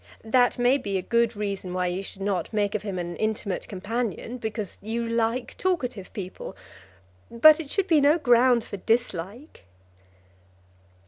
That may be a good reason why you should not make of him an intimate companion, because you like talkative people; but it should be no ground for dislike."